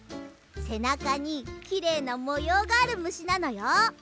せなかにきれいなもようがあるむしなのよ。